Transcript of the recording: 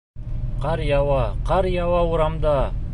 Ҡар яуа, ҡар яуа урамда!